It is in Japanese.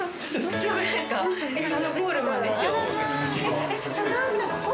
あのコールマンですよ。